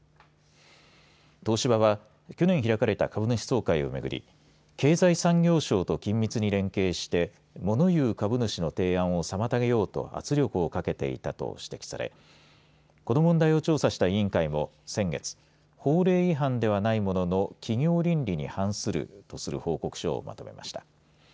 東芝は去年開かれた株主総会をめぐり経済産業省と緊密に連携してモノ言う株主の提案を妨げようと圧力をかけていたと指摘されこの問題を調査した委員会も先月、法令違反ではないものの企業倫理に反するとする報告書をまとめました。